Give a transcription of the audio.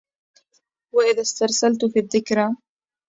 وإذا استرسلت في الذكرى!